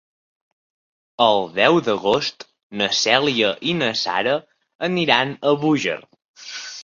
El deu d'agost na Cèlia i na Sara aniran a Búger.